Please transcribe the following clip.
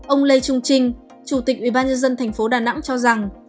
ông lê trung trinh chủ tịch ubnd thành phố đà nẵng cho rằng